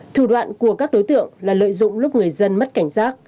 thủ đoạn của các đối tượng là lợi dụng lúc người dân mất cảnh giác